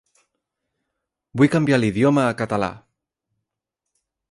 Vull canviar l'idioma a català.